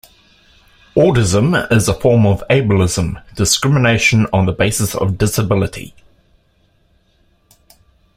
Audism is a form of ableism, discrimination on the basis of disability.